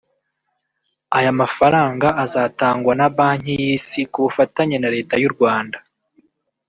Aya mafaranga azatangwa na Banki y’Isi ku bufatanye na Leta y’u Rwanda